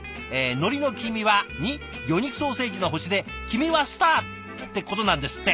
のりの「君は」に魚肉ソーセージの星で「君はスター」ってことなんですって。